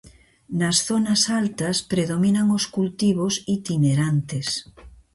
Nas zonas altas predominan os cultivos itinerantes.